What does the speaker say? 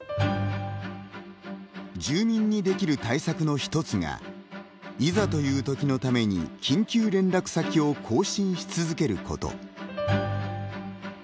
住民にできる対策の一つがいざというときのために緊急連絡先を更新し続けること。